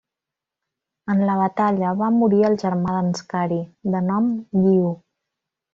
En la batalla va morir el germà d'Anscari, de nom Guiu.